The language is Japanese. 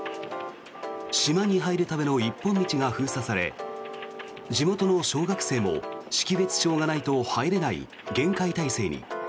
島に入るための一本道が封鎖され地元の小学生も、識別証がないと入れない厳戒態勢に。